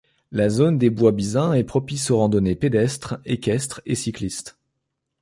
La zone des Bois Bizin est propice aux randonnées pédestre, équestre et cycliste.